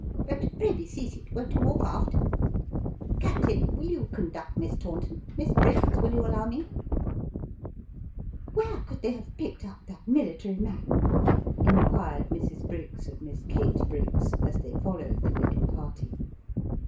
" But pray be seated won't you walk aft ? Captain, will you conduct Miss Taunton ? Miss Briggs, will you allow me ?"" Where could they have picked up that military man ?" inquired Mrs. Briggs of Miss Kate Briggs, as they followed the little party.